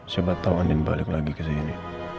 siapa tau andin balik lagi kesini